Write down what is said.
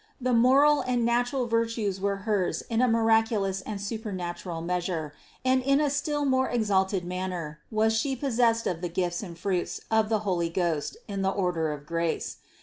The moral and natural virtues were hers in a miraculous and supernatural measure, and in a still more exalted man ner was She possessed of the gifts and fruits of the Holy Ghost in the order of grace.